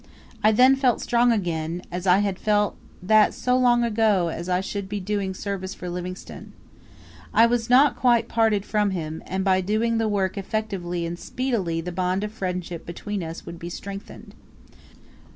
I then felt strong again, as I felt that so long as I should be doing service for Livingstone, I was not quite parted from him, and by doing the work effectively and speedily the bond of friendship between us would be strengthened.